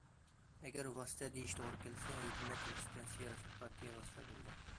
ئەگەر ۋاسىتە دېيىش توغرا كەلسە، ھۆكۈمەت ۋاسىتە، سىياسىي پارتىيە ۋاسىتە بولىدۇ.